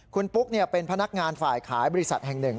คุณปุ๊กเป็นพนักงานฝ่ายขายบริษัทแห่งหนึ่ง